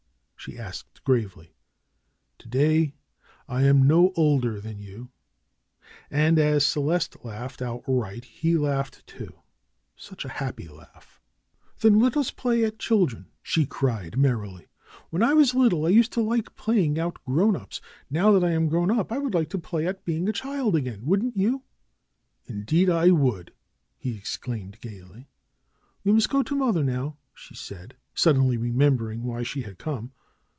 she asked gravely. "To day I am no older than you I" And as Celeste laughed outright he laughed too, such a happy laugh. "Then let us play at children!" she cried merrily. "When I was little I used to like playing at 'grown ups'; now that I am grown up I would like to play at being a child again; wouldn't you?" "Indeed I would!" he exclaimed gaily. "But we must go to mother, now," she said, sud denly remembering why she had come.